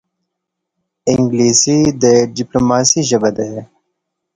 انګلیسي د ډیپلوماسې ژبه ده